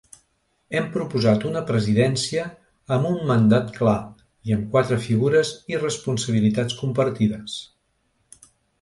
Hem proposat una presidència amb un mandat clar, amb quatre figures i responsabilitats compartides.